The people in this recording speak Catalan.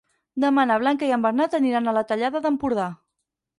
Demà na Blanca i en Bernat aniran a la Tallada d'Empordà.